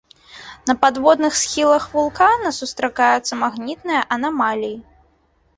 На падводных схілах вулкана сустракаюцца магнітныя анамаліі.